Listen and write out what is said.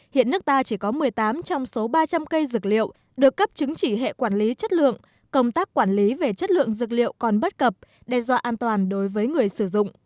hiện nước ta chỉ có một mươi tám trong số ba trăm linh cây dược liệu được cấp chứng chỉ hệ quản lý chất lượng công tác quản lý về chất lượng dược liệu còn bất cập đe dọa an toàn đối với người sử dụng